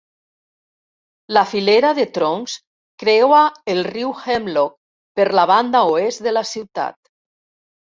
La filera de troncs creua el riu Hemlock per la banda oest de la ciutat.